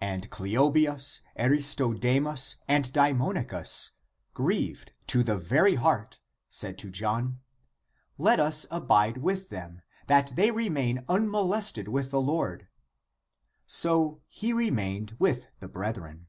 And Cleobius, Aristodemus and Daemonicus, grieved to the very heart, said to John, " Let us abide with them, that they remain unmolested with the Lord !" So he remained with the brethren.